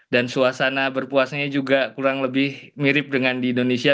dan suasana berpuasanya juga kurang lebih mirip dengan di indonesia